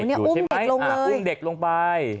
อัพอุ้งเด็กลงไป